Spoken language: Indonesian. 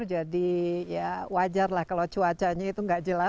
jadi ya wajar lah kalau cuacanya itu tidak jelas